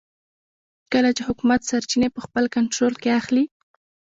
کله چې حکومت سرچینې په خپل کنټرول کې اخلي.